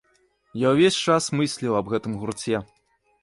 Я ўвесь час мысліў аб гэтым гурце.